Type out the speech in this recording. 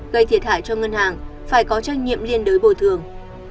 gây thiệt hại cho ngân hàng phải có trách nhiệm liên đối bồi thường